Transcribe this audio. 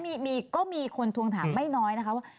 อันนี้ก็มีคนทวงถามไม่น้อย